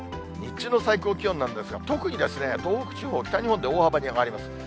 日中の最高気温なんですが、特に東北地方、北日本で大幅に上がります。